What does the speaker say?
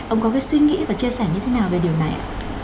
ông có cái suy nghĩ và chia sẻ như thế nào về điều này ạ